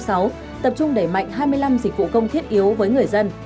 tập trung đẩy mạnh hai mươi năm dịch vụ công thiết yếu với người dân